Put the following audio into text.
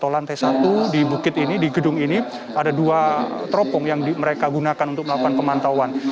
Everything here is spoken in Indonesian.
di lantai satu di bukit ini di gedung ini ada dua teropong yang mereka gunakan untuk melakukan pemantauan